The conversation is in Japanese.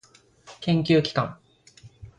研究機関